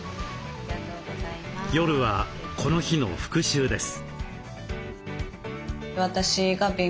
夜はこの日の復習です。